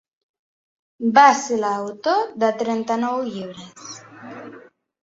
Va ser l'autor de trenta-nou llibres.